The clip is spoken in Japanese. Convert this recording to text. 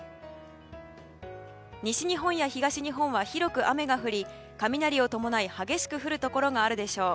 西日本や東日本は広く雨が降り雷を伴い激しく降るところがあるでしょう。